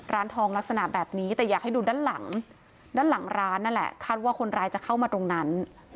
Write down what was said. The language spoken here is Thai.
ร้านทองลักษณะแบบนี้แต่อยากให้ดูด้านหลังด้านหลังร้านนั่นแหละคาดว่าคนร้ายจะเข้ามาตรงนั้น